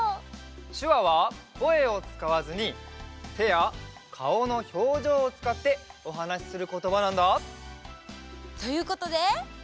しゅわはこえをつかわずにてやかおのひょうじょうをつかっておはなしすることばなんだ。ということでクイズ！